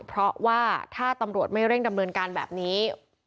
เพราะว่าถ้าตำรวจไม่เร่งดำเนินการแบบนี้